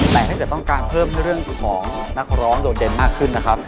แต่ถ้าเกิดต้องการเพิ่มให้เรื่องของนักร้องโดดเด่นมากขึ้นนะครับ